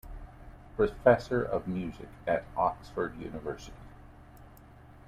Professor of Music at Oxford University.